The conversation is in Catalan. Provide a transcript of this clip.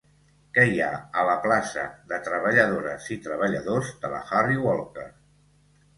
Què hi ha a la plaça de Treballadores i Treballadors de la Harry Walker